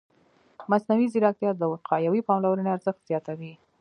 مصنوعي ځیرکتیا د وقایوي پاملرنې ارزښت زیاتوي.